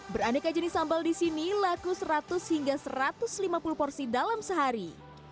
beraneka jenis sambal di sini laku seratus hingga satu ratus lima puluh porsi dalam sehari